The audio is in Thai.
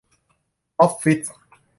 ออฟฟิศ